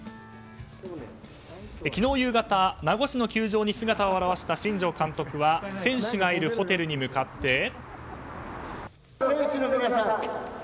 昨日夕方、名護市の球場に姿を現した新庄監督は選手がいるホテルに向かって。